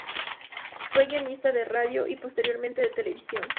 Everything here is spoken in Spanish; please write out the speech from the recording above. Fue guionista de radio y, posteriormente, de televisión.